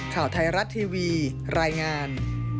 ข่าวไทยรัฐทีวีรายงาน